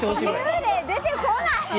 幽霊出てこない！